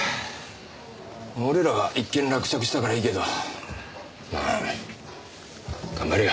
俺らは一件落着したからいいけどまあ頑張れよ。